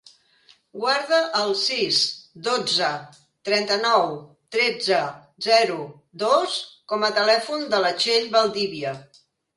Guarda el sis, dotze, trenta-nou, tretze, zero, dos com a telèfon de la Txell Valdivia.